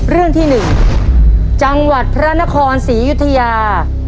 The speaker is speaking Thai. เรื่องที่๑จังหวัดพระนครศรียุธยา